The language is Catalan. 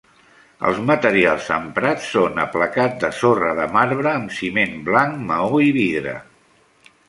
Els materials emprats són aplacat de sorra de marbre amb ciment blanc, maó i vidre.